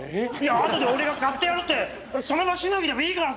「あとで俺が買ってやる」ってその場しのぎでもいいからさ！